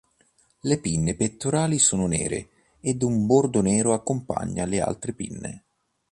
Le pinne pettorali sono nere ed un bordo nero accompagna le altre pinne.